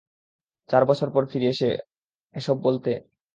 চার বছর পর ফিরে এসে এসব বলতে?